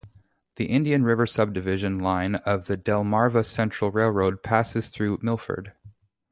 The Indian River Subdivision line of the Delmarva Central Railroad passes through Milford.